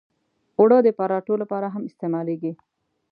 اوړه د پراتو لپاره هم استعمالېږي